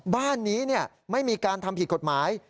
บ้านนี้ไม่มีการทำผิดกฎหมาย